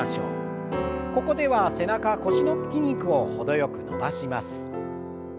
ここでは背中腰の筋肉を程よく伸ばします。